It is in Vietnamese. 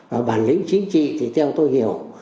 và bản lĩnh chính trị thì theo tôi hiểu